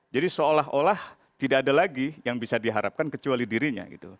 seolah olah tidak ada lagi yang bisa diharapkan kecuali dirinya gitu